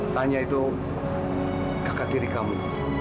tanya itu kakak diri kamu